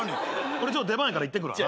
俺出番やから行ってくるわな。